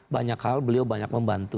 banyak hal beliau banyak membantu